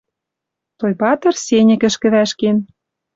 Тойбатр сеньӹкӹшкӹ вӓшкен